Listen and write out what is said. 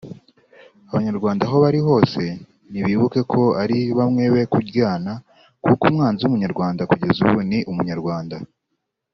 Abanyarwanda aho bari hose nibibuke ko ari bamwe be kuryana kuko umwanzi w’umunyarwanda kugeza ubu ni umunyarwanda